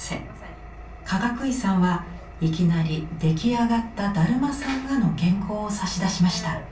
かがくいさんはいきなり出来上がった「だるまさんが」の原稿を差し出しました。